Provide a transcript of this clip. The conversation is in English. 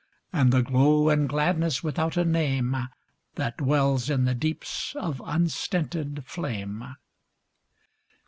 And the glow and gladness without a name That dwells in the deeps of unstinted flame.